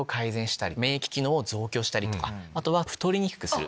あとは太りにくくする。